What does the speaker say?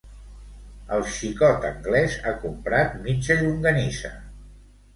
El xicot anglès ha comprat mitja llonganissa